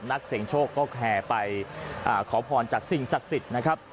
นักเสียงโชคก็แห่ไปขอพรจากสิ่งศักดิ์สิทธิ์นะครับ